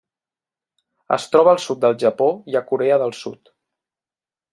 Es troba al sud del Japó i a Corea del Sud.